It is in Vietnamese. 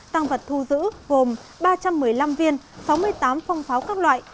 tăng vật thu giữ gồm ba trăm một mươi năm viên sáu mươi tám phong pháo các loại